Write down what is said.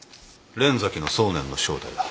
連崎の送念の正体だ。